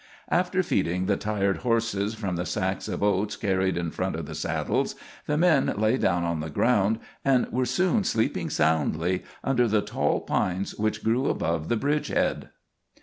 After feeding the tired horses from the sacks of oats carried in front of the saddles, the men lay down on the ground and were soon sleeping soundly under the tall pines which grew above the bridge head.